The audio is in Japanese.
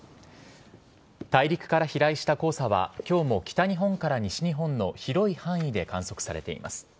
大陸から飛来した黄砂は今日も北日本から西日本の広い範囲で観測されています。